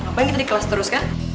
ngapain kita di kelas terus kan